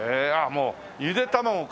もうゆで卵か。